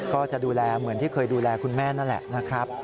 ก็จะดูแลเหมือนที่เคยดูแลคุณแม่นั่นแหละนะครับ